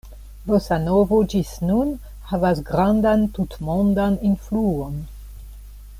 Bosanovo ĝis nun havas grandan tutmondan influon.